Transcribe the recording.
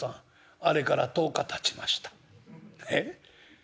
あれから１０日たちました。え？